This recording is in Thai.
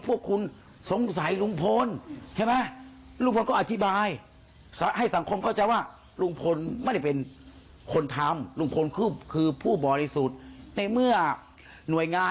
ไม่อย่าว่าลดโพสต์เห็นข่าวมันไปลดโพสต์แล้วนะ